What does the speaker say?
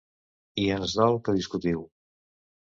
I ens dol que discutiu!